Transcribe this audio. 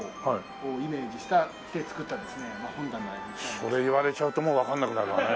それ言われちゃうともうわかんなくなるわね。